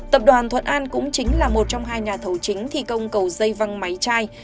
tập đoàn thuận an cũng chính là một trong hai nhà thầu chính thi công cầu dây văng máy chai